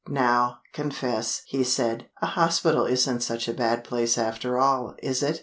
"Now confess," he said, "a hospital isn't such a bad place after all, is it?"